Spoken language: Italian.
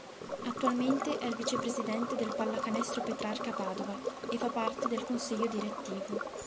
Attualmente è il vicepresidente del Pallacanestro Petrarca Padova e fa parte del consiglio direttivo.